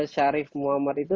syarif muhammad itu